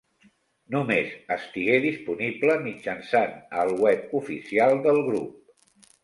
Només estigué disponible mitjançant el web oficial del grup.